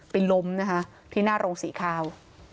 ล้มนะคะที่หน้าโรงสีขาว